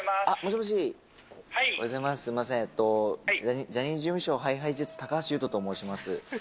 おはようございます、すみません、ジャニーズ事務所、ＨｉＨｉＪｅｔｓ・高橋優斗と申します。